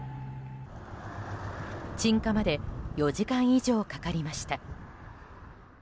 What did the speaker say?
鎮火まで４時間以上かかりました。